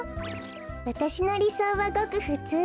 わたしのりそうはごくふつう。